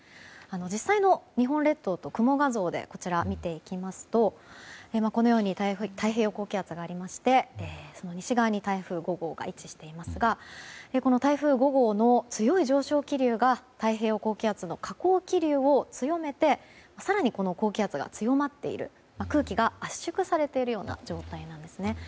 実際の日本列島と雲画像で見ていきますとこのように太平洋高気圧がありましてその西側に台風５号が位置していますがこの台風５号の強い上昇気流が太平洋高気圧の下降気流を強めて更に高気圧が強まっている空気が圧縮されているような状態なんですね。